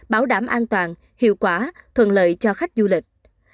bảo đảm an toàn hiệu quả thuận lợi cho khách du lịch